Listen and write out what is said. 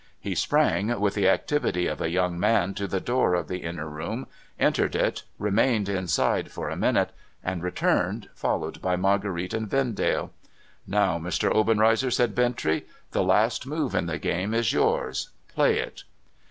He sprang, with the activity of a young man, to the door of the inner room, entered it, remained inside for a minute, and returned followed by Marguerite and Vendale. ' Now, Mr. Obenreizer,' said Bintrey, 'the last move in the game is yours. Play it.'